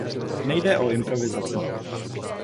Nejde o improvizaci.